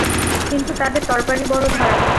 কিন্তু তাদের তরবারি বড় ধারালো।